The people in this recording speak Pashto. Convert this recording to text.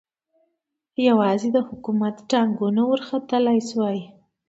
یوازې د حکومت ټانګونه ورختلای شوای.